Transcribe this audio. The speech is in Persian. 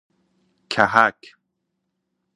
کهک